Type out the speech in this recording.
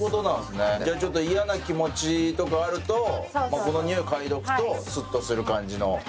じゃあちょっと嫌な気持ちとかあるとこのにおい嗅いでおくとすっとする感じの。